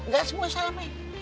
gak semua sama be